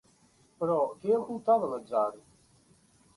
Però què ocultava l'atzar?